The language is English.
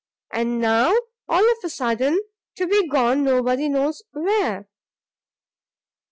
And now, all of a sudden, to be gone nobody knows where!"